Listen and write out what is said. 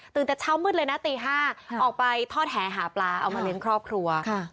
แต่เช้ามืดเลยนะตี๕ออกไปทอดแหหาปลาเอามาเลี้ยงครอบครัว